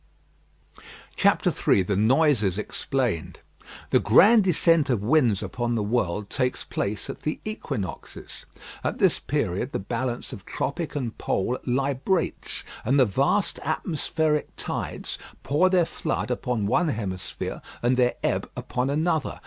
III THE NOISES EXPLAINED The grand descent of winds upon the world takes place at the equinoxes. At this period the balance of tropic and pole librates, and the vast atmospheric tides pour their flood upon one hemisphere and their ebb upon another.